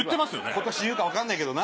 今年言うか分かんないけどな。